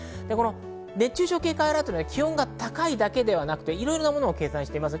熱中症警戒アラートは気温が高いだけではなく、いろいろなものを計算しています。